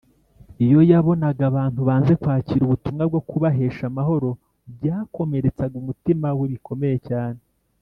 iyo yabonaga abantu banze kwakira ubutumwa bwo kubahesha amahoro, byakomeretsaga umutima we bikomeye cyane